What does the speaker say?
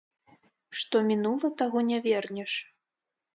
Што мінула, таго не вернеш.